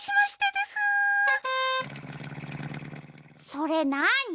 それなあに？